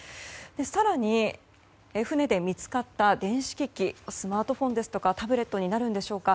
更に、船で見つかった電子機器スマートフォンですとかタブレットになるんでしょうか。